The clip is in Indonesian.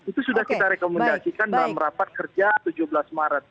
itu sudah kita rekomendasikan dalam rapat kerja tujuh belas maret